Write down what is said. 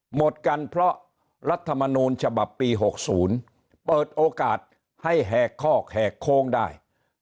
หมดกันเพราะรัฐมนูลฉบับปี๖๐เปิดโอกาสให้แหกคอกแหกโค้งได้